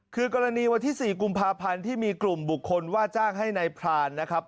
คือกรณีวันที่๔กุมภาพันธ์ที่มีกลุ่มบุคคลว่าจ้างให้นายพรานนะครับ